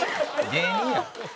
芸人やん。